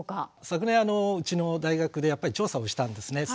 昨年うちの大学で調査をしたんですね。